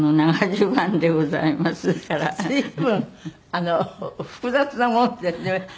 随分複雑なものですね。